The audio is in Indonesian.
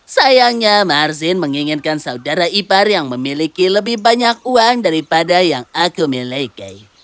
sayangnya marzin menginginkan saudara ipar yang memiliki lebih banyak uang daripada yang aku miliki